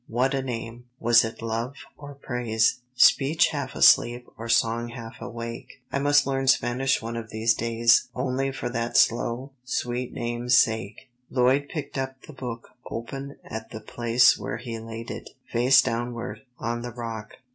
What a name! Was it love or praise? Speech half asleep or song half awake? I must learn Spanish one of these days Only for that slow, sweet name's sake.'" Lloyd picked up the book open at the place where he laid it, face downward, on the rock.